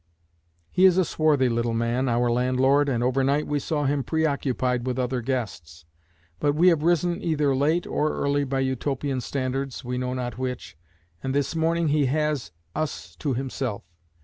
He is a swarthy little man, our landlord, and overnight we saw him preoccupied with other guests. But we have risen either late or early by Utopian standards, we know not which, and this morning he has us to himself.